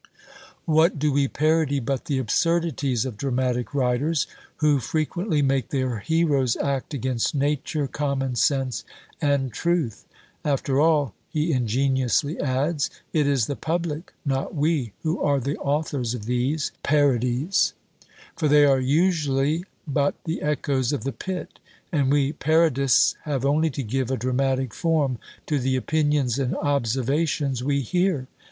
What do we parody but the absurdities of dramatic writers, who frequently make their heroes act against nature, common sense, and truth? After all," he ingeniously adds, "it is the public, not we, who are the authors of these? PARODIES; for they are usually but the echoes of the pit, and we parodists have only to give a dramatic form to the opinions and observations we hear.